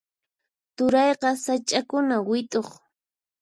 Turayqa sach'akuna wit'uq.